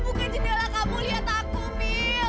m trugalah kamu lihat aku mil